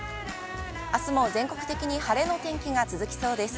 あすも全国的に晴れのお天気が続きそうです。